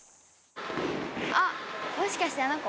あっもしかしてあの子？